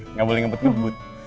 nggak boleh ngebut ngebut